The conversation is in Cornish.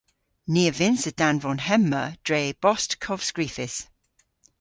Ni a vynnsa danvon hemma dre bost kovskrifys.